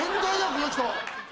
この人！